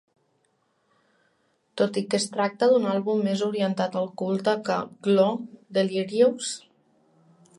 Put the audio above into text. Tot i que es tracta d'un àlbum més orientat al culte que "Glo", Delirious?